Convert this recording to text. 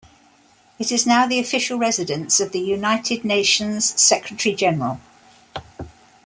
It is now the official residence of the United Nations Secretary-General.